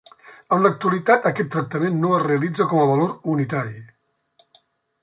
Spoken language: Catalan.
En l'actualitat aquest tractament no es realitza com a valor unitari.